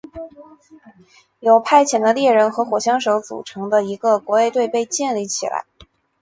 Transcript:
由派遣的猎人和火枪手组成的一个国卫队被建立起来。